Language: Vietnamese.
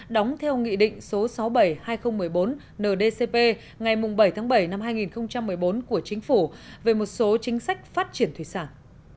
đóng theo nghị định số sáu mươi bảy hai nghìn một mươi bốn ndcp ngày bảy tháng bảy năm hai nghìn một mươi bốn của chính phủ về một số chính sách phát triển thủy sản